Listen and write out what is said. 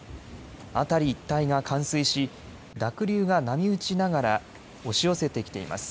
辺り一帯が冠水し濁流が波打ちながら押し寄せてきています。